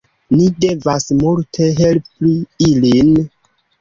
Ni devas multe helpi ilin